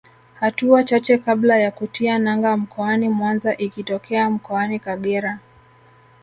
Hatua chache kabla ya kutia nanga mkoani Mwanza ikitokea Mkoani Kagera